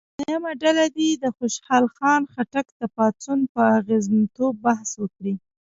دویمه ډله دې د خوشحال خان خټک د پاڅون په اغېزمنتوب بحث وکړي.